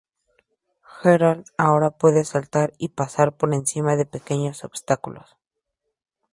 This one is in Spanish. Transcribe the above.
Geralt ahora puede saltar, y pasar por encima de pequeños obstáculos.